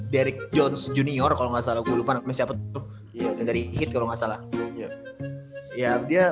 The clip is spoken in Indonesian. derek jones junior kalau nggak salah lupa siapa itu dari hit kalau nggak salah ya dia